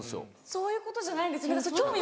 そういうことじゃないんです興味